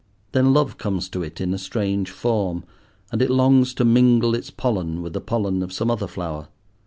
Then love comes to it in a strange form, and it longs to mingle its pollen with the pollen of some other flower.